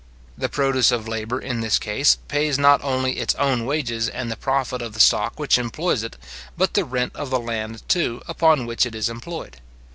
The produce of labour, in this case, pays not only its own wages and the profit of the stock which employs it, but the rent of the land too upon which it is employed.